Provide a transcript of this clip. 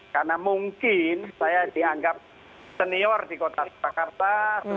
karena mungkin saya dianggap senior di kota setakarta